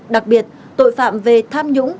đặc biệt tội phạm về tham nhũng